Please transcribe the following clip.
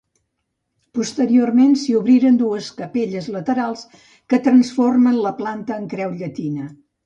Posteriorment s'hi obriren dues capelles laterals que transformen la planta en creu llatina.